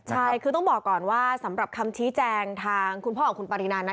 ใช่คือต้องบอกก่อนว่าสำหรับคำชี้แจงทางคุณพ่อของคุณปรินา